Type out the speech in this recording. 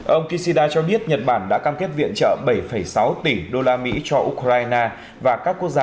ông kishida cho biết nhật bản đã cam kết viện trợ bảy sáu tỷ đô la mỹ cho ukraine và các quốc gia